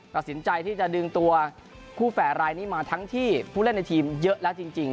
ตัดสินใจที่จะดึงตัวคู่แฝดรายนี้มาทั้งที่ผู้เล่นในทีมเยอะแล้วจริง